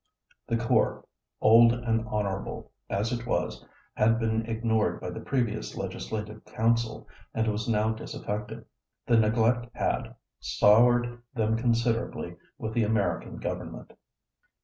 " The corps, old and honorable, as it was, had been ignored by the previous Legislative Council, and was now disaffected. The neglect had "soured them considerably with the American government."